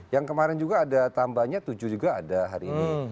yang kemarin juga ada tambahnya tujuh juga ada hari ini